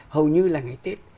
hầu như là ngày tết